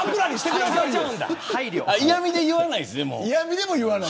嫌みで言わないんですね。